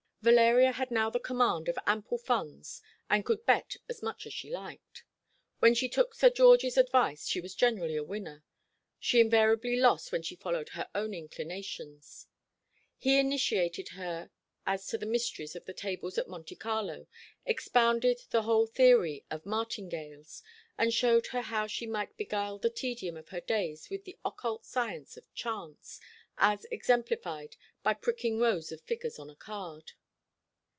Valeria had now the command of ample funds, and could bet as much as she liked. When she took Sir George's advice she was generally a winner. She invariably lost when she followed her own inclinations. He initiated her as to the mysteries of the tables at Monte Carlo, expounded the whole theory of martingales, and showed her how she might beguile the tedium of her days with the occult science of chance, as exemplified by pricking rows of figures on a card.